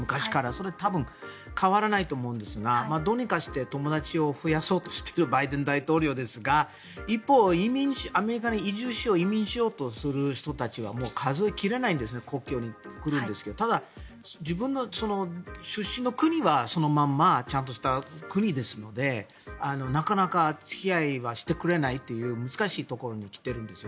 それは多分変わらないと思うんですがどうにか友達を増やそうとしているバイデン大統領ですが一方、アメリカに移住しよう移民しようという人たちはもう数え切れないくらい国境に来るんですが自分の出身の国はそのままちゃんとした国ですのでなかなか付き合いはしてくれないという難しいところに来ているんです。